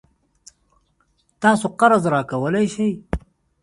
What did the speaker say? تاسو قرض راکولای شئ؟